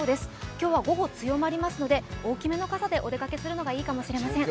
今日は午後強まりますので、大きめの傘でお出かけするのがいいかもしれません。